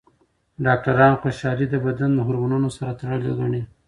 ډاکټران خوشحالي د بدن هورمونونو سره تړلې ګڼي.